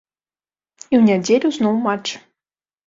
І ў нядзелю зноў матч.